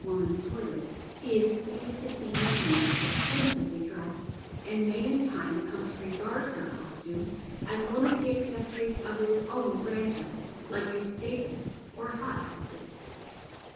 67 Woman's toDet he is pleased to fsee his niece expensively dressed, and may in time come to rej^ard her costume as one of the acces Boriea of his own grandeur, like his stables or hothouses.